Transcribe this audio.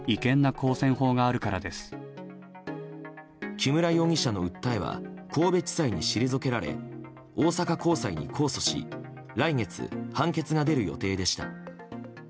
木村容疑者の訴えは神戸地裁に退けられ大阪高裁に控訴し来月、判決が出る予定でした。